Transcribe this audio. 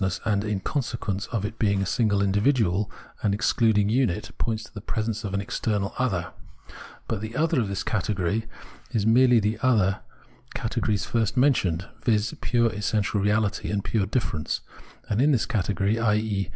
Reason's Certainty and Reason's Truth 229 in consequence of its being a single individual and an excluding unit, points to the presence of an external other. But the " other " of this category is merely the "other" categories iirst mentioned, viz. pure essential reahty and pure difference ; and in this category, i.e.